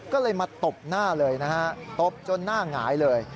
ก็เลยมาตบหน้าเลยนะฮะตบจนหน้าหงายเลย